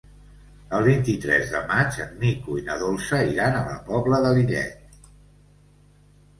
El vint-i-tres de maig en Nico i na Dolça iran a la Pobla de Lillet.